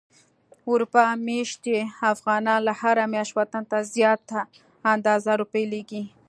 اروپا ميشتي افغانان هره مياشت وطن ته زياته اندازه روپی ليږي.